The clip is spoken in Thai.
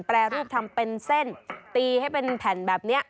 แปรรูปทำเป็นเส้นตีให้เป็นแผ่นแบบนี้